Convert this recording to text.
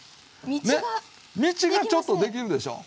道がちょっとできるでしょ。